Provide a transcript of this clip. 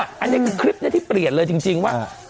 อันเนี้ยคือคลิปเนี้ยที่เปลี่ยนเลยจริงจริงว่าอ่า